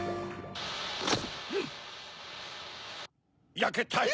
やけたよ。